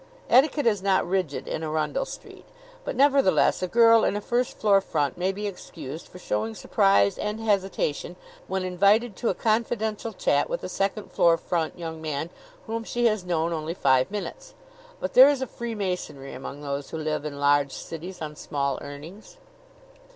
Etiquette is not rigid in Arundell Street; but, nevertheless, a girl in a first floor front may be excused for showing surprise and hesitation when invited to a confidential chat with a second floor front young man whom she has known only five minutes. But there is a freemasonry among those who live in large cities on small earnings.